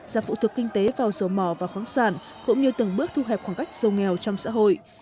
giảm phụ thuộc kinh tế vào dầu mỏ và khoáng sản cũng như từng bước thu hẹp khoảng cách giàu nghèo trong xã hội